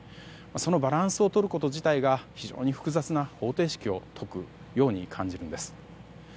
そのバランスをとること自体が非常に複雑な方程式を解くように感じるんです。